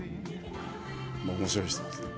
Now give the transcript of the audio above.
まあ面白い人ですね。